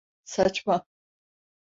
Saçma!